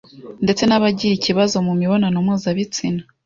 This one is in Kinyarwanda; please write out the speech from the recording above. ndetse n’abagira ikibazo mu mibonano mpuzabitsina